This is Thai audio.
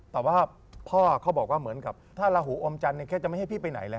แต่ว่าพ่อเขาบอกว่าเหมือนกับถ้าลาหูอมจันทร์แค่จะไม่ให้พี่ไปไหนแล้ว